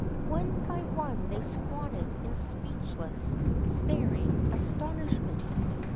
One by one they squatted in speechless, staring astonishment.